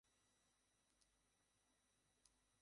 তুমি চড়তে গেলে কেন?